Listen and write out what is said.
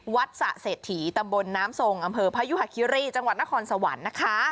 วัฏศาสถีตมน้ำทรงอำเภอพญุหะคิริจังหวัดนครสวรรค์นะคะ